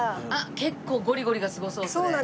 結構ゴリゴリがすごそうそれ。